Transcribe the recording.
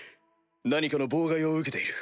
何かの妨害を受けている。